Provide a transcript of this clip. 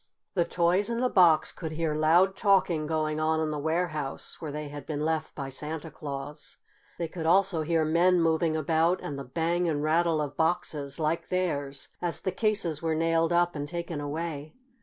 The toys in the box could hear loud talking going on in the warehouse where they had been left by Santa Claus. They could also hear men moving about and the bang and rattle of boxes, like theirs, as the cases were nailed up and taken away.